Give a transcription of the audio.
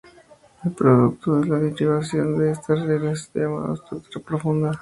El producto de la derivación de estas reglas es llamado estructura profunda.